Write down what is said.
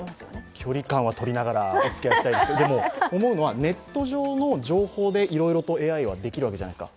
距離感はとりながらおつきあいしたいですけど、でも思うのは、ネット上の情報でＡＩはできてるじゃないですか。